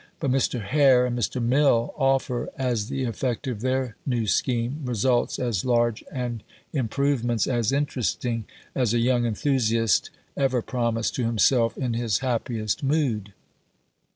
But Mr. Hare and Mr. Mill offer as the effect of their new scheme results as large and improvements as interesting as a young enthusiast ever promised to himself in his happiest mood.